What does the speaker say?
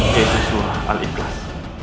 yesus allah al ikhlas